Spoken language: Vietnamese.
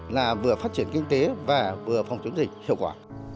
là vừa phát triển kinh tế và vừa phòng chống dịch hiệu quả